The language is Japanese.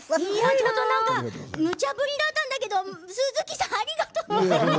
むちゃ振りだったんだけれど鈴木さん、ありがとう。